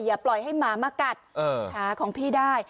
อย่าปล่อยให้หมามากัดขาของพี่ได้